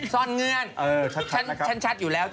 ซ่อนเงื่อนฉันชัดอยู่แล้ว